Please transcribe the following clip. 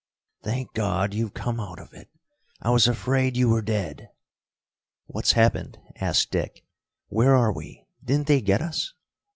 "Thank God you've come out of it! I was afraid you were dead." "What's happened?" asked Dick. "Where are we? Didn't they get us?"